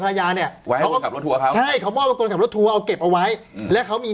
ภรรยาเนี่ยเขามอบคนขับรถทัวร์เอาเก็บเอาไว้และเขามี